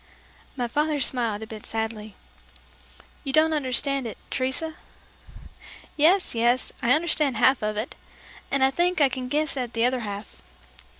'" My father smiled a bit sadly. "You don't understand it, Teresa?" "Yes, yes; I understand half of it, and I think I can guess at the other half."